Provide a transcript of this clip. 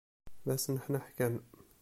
D asneḥneḥ kan!